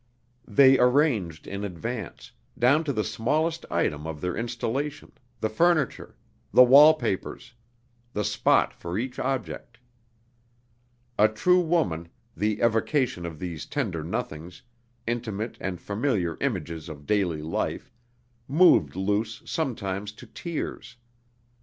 They arranged in advance, down to the smallest item of their installation, the furniture, the wall papers, the spot for each object. A true woman, the evocation of these tender nothings, intimate and familiar images of daily life, moved Luce sometimes to tears.